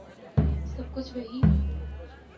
سَب کُچھ وہی